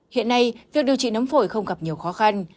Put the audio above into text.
hiện nay việc điều trị nóng phổi không gặp nhiều khó khăn